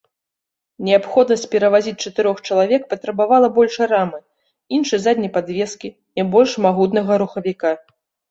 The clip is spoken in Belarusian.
Неабходнасць перавазіць чатырох чалавек патрабавала большай рамы, іншай задняй падвескі і больш магутнага рухавіка.